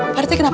pak rete kenapa